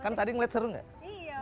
kan tadi ngeliat seru nggak iya